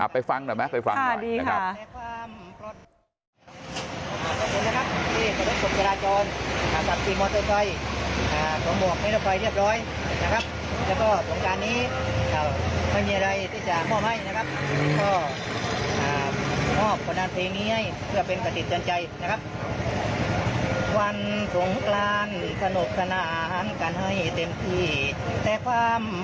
ไปฟังหน่อยไหมไปฟังหน่อยนะครับนะครับค่ะดีค่ะ